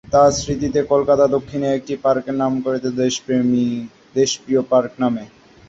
তাঁর স্মৃতিতে কলকাতার দক্ষিণে একটি পার্ক নামাঙ্কিত রয়েছে 'দেশপ্রিয় পার্ক' নামে।